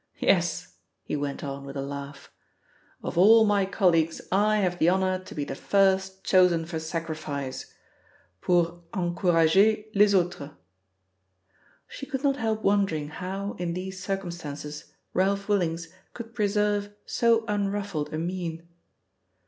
Yes," he went on with a laugh, "of all my colleagues I have the honour to be the first chosen for sacrifice; pour encourager les autres." She could not help wondering how, in these circumstances, Ralph Willings could preserve so unruffled a mien.